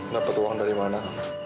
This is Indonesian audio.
dapat uang dari mana